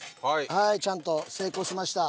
はいちゃんと成功しました。